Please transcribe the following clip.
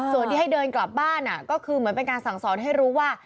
ส่วนที่ให้เดินกลับบ้านก็คือเหมือนเป็นการสั่งสอนให้รู้ว่า